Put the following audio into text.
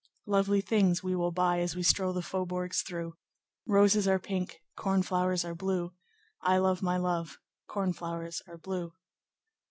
"Lovely things we will buy As we stroll the faubourgs through, Roses are pink, corn flowers are blue, I love my love, corn flowers are blue."